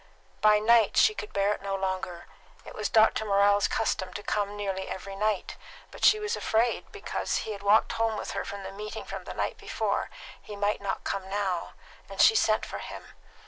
By night she could bear it no longer. It was Dr. Morrell's custom to come nearly every night; but she was afraid, because he had walked home with her from the meeting the night before, he might not come now, and she sent for him.